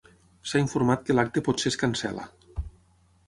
S'ha informat que l'acte potser es cancel·la.